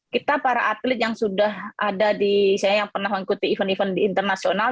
kita para atlet yang sudah ada di event event internasional